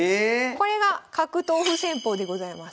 これが角頭歩戦法でございます。